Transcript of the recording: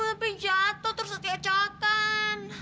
tapi jatuh terus ketika dicotan